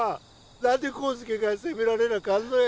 何で康介が責められなあかんのや